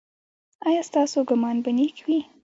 ایا ستاسو ګمان به نیک وي؟